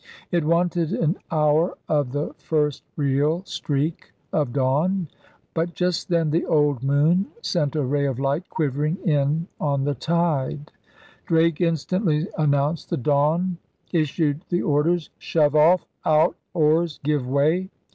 It wanted an hour of the first real streak of dawn. But just then the old moon sent a ray of light quivering in on the tide. Drake instantly announced the dawn, issued the orders: * Shove off, out oars, give way!'